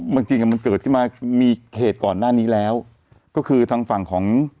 จริงอ่ะมันเกิดขึ้นมามีเขตก่อนหน้านี้แล้วก็คือทางฝั่งของ